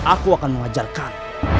aku akan mengajarkan